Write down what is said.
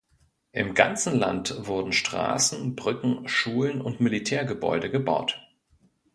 Im ganzen Land wurden Straßen, Brücken, Schulen und Militärgebäude gebaut.